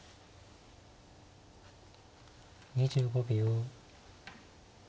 ２５秒。